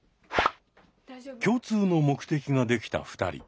共通の目的ができた２人。